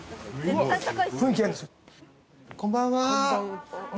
こんばんは。